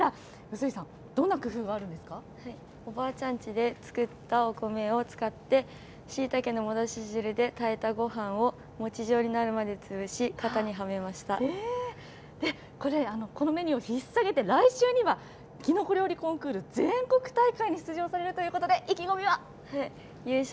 薄井さん、おばあちゃんちで作ったお米を使って、しいたけの戻し汁で炊いたご飯を餅状になるまで潰し、型にはめまこれ、このメニューを引っさげて来週にはきのこ料理コンクール全国大会に出場されるということで、意気込みは。